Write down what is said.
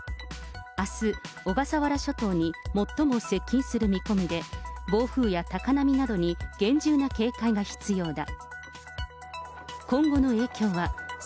あす、小笠原諸島に最も接近する見込みで、暴風や高波などに厳重な警戒が必要だ。